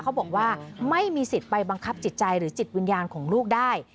เขาบอกว่าไม่มีสิทธิ์ไปบังคับจิตใจหรือจิตวิญญาณของลูกได้